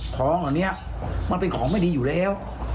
ของเหล่านี้มันเป็นของไม่ดีอยู่แล้ว